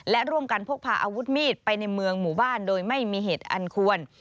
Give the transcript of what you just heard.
และร่วมกันพกพาอาวุธมีดไปในเมืองหมู่บ้านโดยไม่มีเหตุอันควร